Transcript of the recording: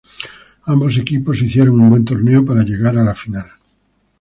Ambos equipos hicieron un buen torneo para llegar a la final.